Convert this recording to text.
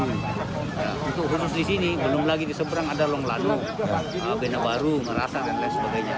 untuk khusus di sini belum lagi di seberang ada longlado benabaru merasa dan lain sebagainya